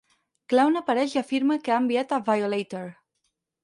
Clown apareix i afirma que ha enviat a Violator.